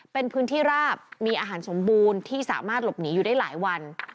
เป็นพื้นที่ราบมีอาหารสมบูรณ์ที่สามารถหลบหนีอยู่ได้หลายวัน